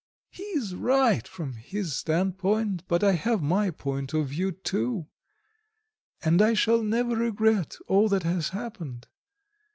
He is right from his standpoint, but I have my point of view too; and I shall never regret all that has happened.